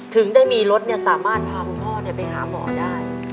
ถึงได้มีรถสามารถพาคุณพ่อไปหาหมอได้